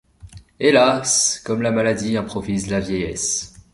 Hélas! comme la maladie improvise la vieillesse !